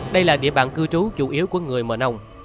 đây là địa bàn cư trú chủ yếu của người mờ nông